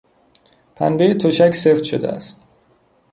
پنبهی تشک سفت شده است.